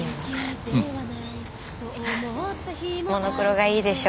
モノクロがいいでしょ？